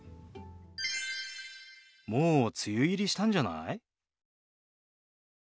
もう梅雨入りしたんじゃない？